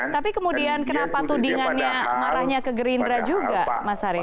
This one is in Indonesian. tapi kemudian kenapa tudingannya marahnya ke gerindra juga mas haris